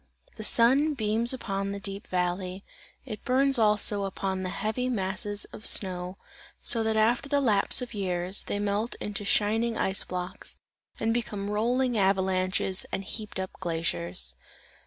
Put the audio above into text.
The sun beams upon the deep valley, it burns also upon the heavy masses of snow; so that after the lapse of years, they melt into shining ice blocks, and become rolling avalanches and heaped up glaciers.